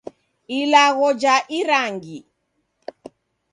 Ilagho ja irangi.